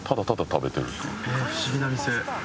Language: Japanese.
へえ不思議な店。